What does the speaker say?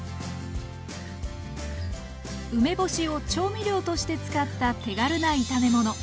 梅干しを調味料として使った手軽な炒め物。